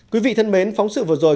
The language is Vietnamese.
quý vị thân mến phóng sự vừa rồi